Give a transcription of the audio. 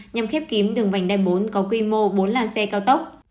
nhằm khép kím đường vành đai bốn có quy mô bốn lăn xe cao tốc